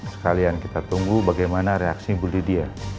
sekalian kita tunggu bagaimana reaksi bu lydia